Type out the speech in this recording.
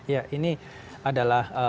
ya ini adalah